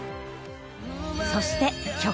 そして曲